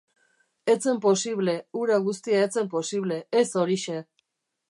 Ez zen posible, hura guztia ez zen posible, ez horixe!